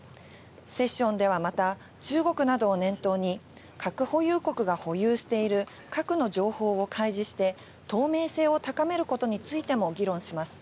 セッションではまた、中国などを念頭に、核保有国が保有している核の情報を開示して、透明性を高めることについても議論します。